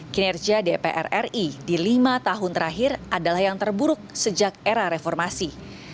kinerja dpr ri di lima tahun terakhir adalah yang terburuk sejak era reformasi